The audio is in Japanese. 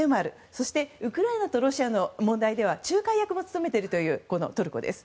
そして、ウクライナとロシアの問題では仲介役も務めているトルコです。